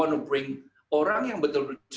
anda ingin membawa orang yang betul betul